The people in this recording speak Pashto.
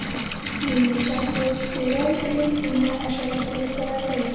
د مرچکو سپری د کومو حشراتو لپاره دی؟